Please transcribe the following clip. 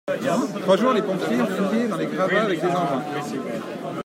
Trois jours, les pompiers ont fouillé dans les gravats, avec des engins